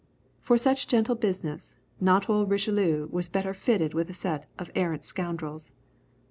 For such gentle business, not old Richelieu was better fitted with a set of arrant scoundrels.